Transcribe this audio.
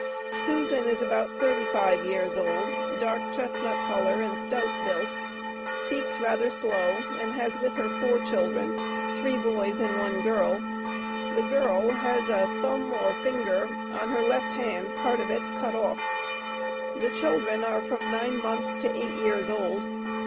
Susan is about 35 years old, dark chesnut coller and stout built, speaks rather slow and has with her four children, three boys and one girl the girl has a thumb or finger on her left hand (part of it) cut off, the children are from 9 months to 8 years old.